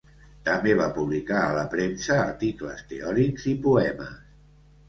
També va publicar a la premsa articles teòrics i poemes.